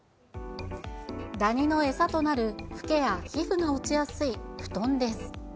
ダニの餌となるふけや皮膚が落ちやすい布団です。